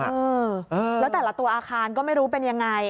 เออแล้วแต่ละตัวอาคารก็ไม่รู้เป็นยังไง